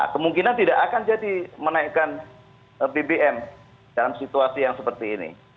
kemungkinan tidak akan jadi menaikkan bbm dalam situasi yang seperti ini